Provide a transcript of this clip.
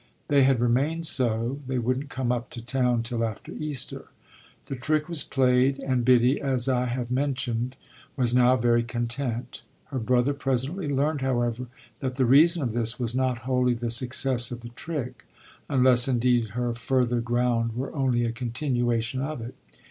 They had remained so they wouldn't come up to town till after Easter. The trick was played, and Biddy, as I have mentioned, was now very content. Her brother presently learned, however, that the reason of this was not wholly the success of the trick; unless indeed her further ground were only a continuation of it.